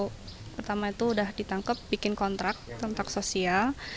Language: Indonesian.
pertama itu udah ditangkap bikin kontrak kontrak sosial